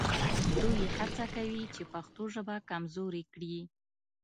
دوی هڅه کوي چې پښتو ژبه کمزورې کړي